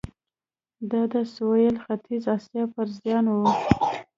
دا د سوېل ختیځې اسیا پر زیان و.